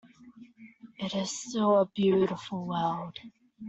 It is still a beautiful world.